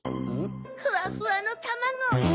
ふわふわのたまご。